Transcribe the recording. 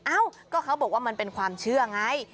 เอ้าก็เขาบอกว่ามันเป็นความเชื่อไง